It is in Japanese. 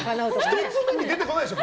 １つ目に出てこないでしょ。